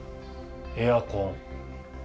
エアコン。